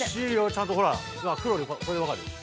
ちゃんとほらっこれで分かる。